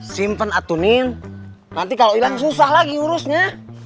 simpen atunin nanti kalau hilang susah lagi urusnya